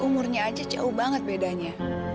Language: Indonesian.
umurnya aja jauh banget bedanya